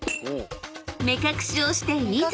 ［目隠しをしていざ！］